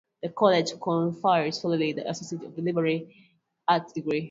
The College conferred solely the Associate in Liberal Arts Degree.